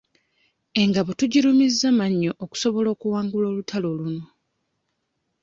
Engabo tugirumizza mannyo okusobola okuwangula olutalo luno.